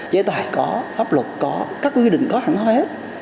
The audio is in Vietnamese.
chế tỏi có pháp luật có các quy định có hẳn hóa hết